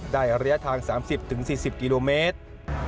ระยะทาง๓๐๔๐กิโลเมตร